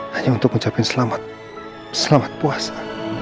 hanya untuk mengucapkan selamat selamat puasa